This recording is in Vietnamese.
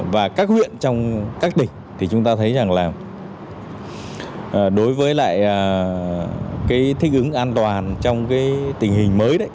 và các huyện trong các tỉnh thì chúng ta thấy rằng là đối với lại cái thích ứng an toàn trong cái tình hình mới đấy